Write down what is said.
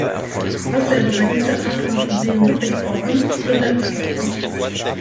Was wir aber bei dieser Art von Problemen wirklich brauchen, sind 'Impfstoffe'.